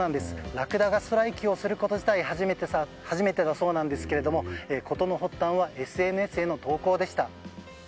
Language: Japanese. ラクダがストライキすること自体初めてだそうなんですが事の発端はＳＮＳへの投稿でした。